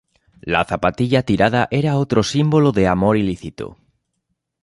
La zapatilla tirada era otro símbolo de amor ilícito.